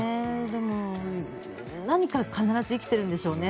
でも、何か必ず生きているんでしょうね。